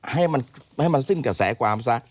ให้มันสิ้นกระแสความซะ